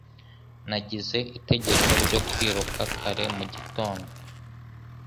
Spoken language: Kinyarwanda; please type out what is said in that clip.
Nagize itegeko ryo kwiruka kare mu gitondo.